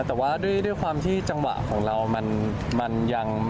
แต่ว่าด้วยความที่จังหวะของเรามันยัง